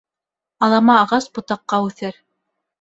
Алама ағас ботаҡҡа үҫер.